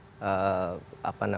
maksudnya mengatur kabinetnya